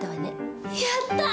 やった！